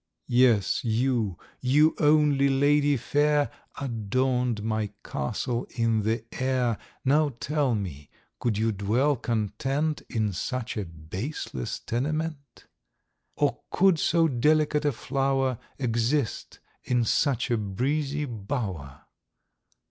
Yes, you, you only, Lady Fair, Adorn'd my Castle in the Air, Now, tell me, could you dwell content In such a baseless tenement? Or could so delicate a flower Exist in such a breezy bower?